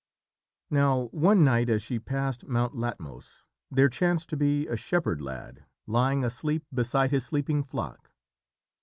Now one night as she passed Mount Latmos, there chanced to be a shepherd lad lying asleep beside his sleeping flock.